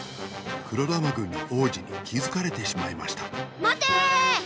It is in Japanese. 黒玉軍の王子にきづかれてしまいましたまてーー！